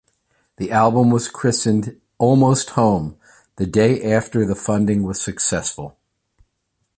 The album was christened "Almost Home" the day after the funding was successful.